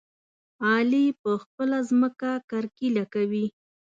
علي په خپله ځمکه کرکيله کوي.